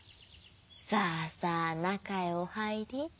さぁさぁなかへおはいり」。